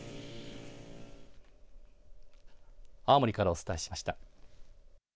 青森からお伝えしました。